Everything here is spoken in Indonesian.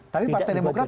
tapi partai demokrat